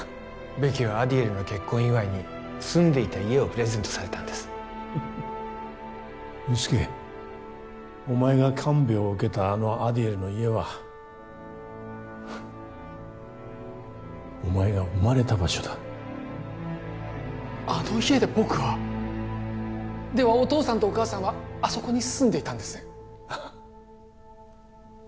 ベキはアディエルの結婚祝いに住んでいた家をプレゼントされたんですフフッ憂助お前が看病を受けたあのアディエルの家はお前が生まれた場所だあの家で僕はではお父さんとお母さんはあそこに住んでいたんですねああ